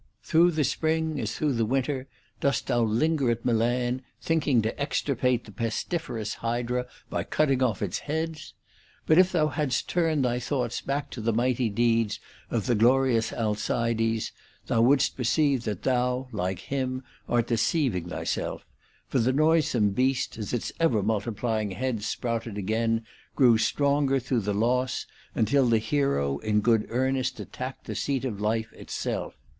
§ 6. Through the spring as through the winter dost thou linger at Milan, thinking to extirpate the pestiferous hydrn by cutting off its heads ? But, if thou hadst turned thy thoughts back to the mighty deeds of glorious Alcides, thou wouldst perceive that thou, like him, art deceiving thyself ; for the noisome beast, as its ever multiplying heads sprouted again, grew stronger through the loss, until the hero ingood earnest attacked the seat of life itself.